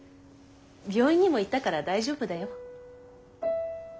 病院にも行ったから大丈夫だよ。